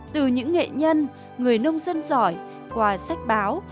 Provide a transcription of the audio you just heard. từ những nghệ nhân người nông dân giỏi qua sách báo